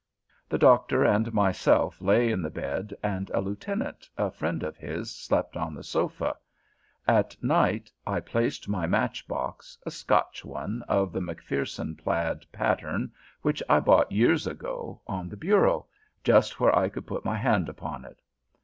The Doctor and myself lay in the bed, and a lieutenant, a friend of his, slept on the sofa, At night, I placed my match box, a Scotch one, of the Macpherson plaid pattern, which I bought years ago, on the bureau, just where I could put my hand upon it.